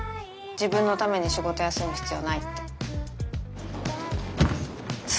自分のために仕事休む必要ないって。